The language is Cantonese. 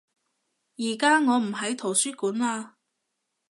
而家我唔喺圖書館嘞